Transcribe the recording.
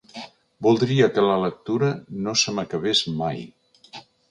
Voldria que la lectura no se m'acabés mai.